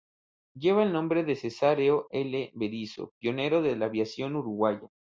Lleva el nombre de Cesáreo L. Berisso, pionero de la aviación uruguaya.